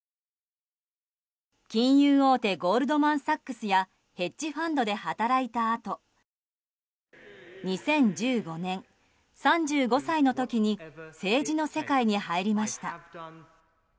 金融大手ゴールドマン・サックスやヘッジファンドで働いたあと２０１５年、３５歳の時に政治の世界に入りました。